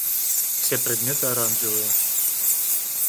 Все предметы оранжевые.